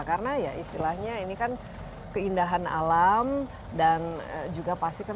karena ya istilahnya ini kan keindahan alam dan juga pasti kan